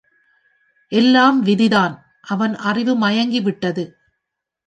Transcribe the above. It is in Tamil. எல்லாம் விதிதான் அவன் அறிவு மயங்கிவிட்டது.